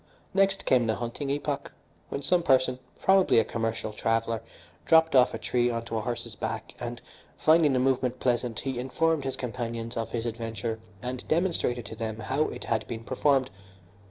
Next came the hunting epoch, when some person, probably a commercial traveller, dropped off a tree on to a horse's back, and finding the movement pleasant he informed his companions of his adventure and demonstrated to them how it had been performed.